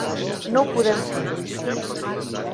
No ho podem fer.